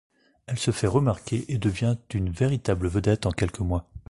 Elle se fait remarquer et devient une véritable vedette en quelques mois.